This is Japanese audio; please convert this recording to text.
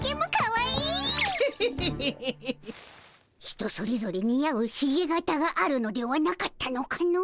人それぞれ似合うひげ形があるのではなかったのかの？